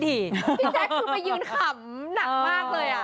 พี่แจ๊คคือไปยืนขำหนักมากเลย